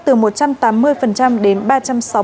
từ một trăm tám mươi đến ba trăm sáu mươi năm một năm